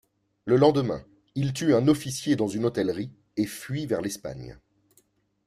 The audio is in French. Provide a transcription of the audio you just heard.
Le lendemain il tue un officier dans une hôtellerie et fuit vers l'Espagne.